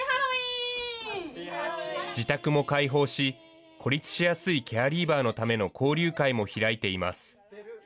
自宅も開放し、孤立しやすいケアリーバーのための交流会も開いています。